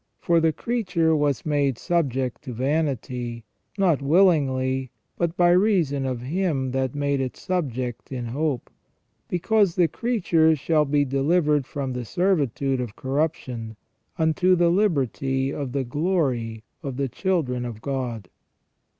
For the creature was made subject to vanity, not willingly, but by reason of Him that made it subject in hope : because the creature shall be delivered from the servitude of corruption, unto the liberty of the glory of the children of God."